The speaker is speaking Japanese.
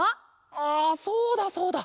あそうだそうだ。